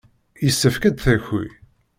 Yessefk ad d-taki.